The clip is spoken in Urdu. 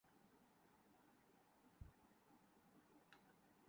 عمران خان کا قدم بھی ساتویں دھائی کی دہلیز پر ہے۔